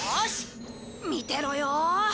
見てろよ！